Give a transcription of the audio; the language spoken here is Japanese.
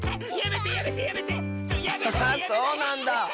ハハそうなんだ！